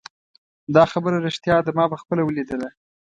دا خبره ریښتیا ده ما پخپله ولیدله